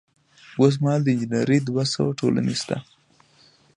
اوس مهال د انجنیری دوه سوه ټولنې شته.